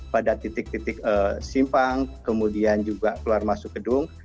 pada titik titik simpang kemudian juga keluar masuk gedung